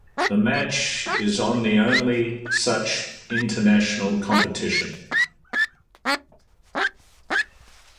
The match is the only such international competition.